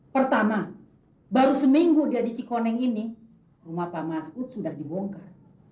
pertama baru seminggu di adici koneng ini rumah pak mas ud sudah dibongkar